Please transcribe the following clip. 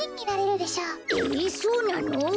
えそうなの？